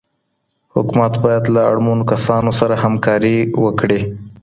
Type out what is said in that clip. حکومت باید له اړمنو کسانو سره همکاري وکړي.